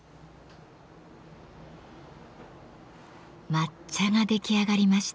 抹茶が出来上がりました。